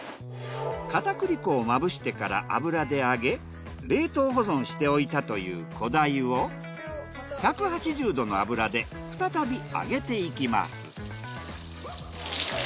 片栗粉をまぶしてから油で揚げ冷凍保存しておいたというコダイを１８０℃の油で再び揚げていきます。